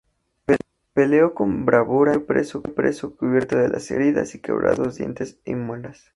Peleó con bravura y cayó preso cubierto de heridas y "quebrados dientes e muelas".